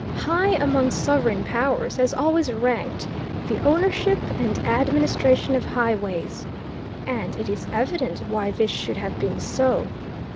High among sovereign powers has always ranked the ownership and administration of highways. And it is evident why this should have been so.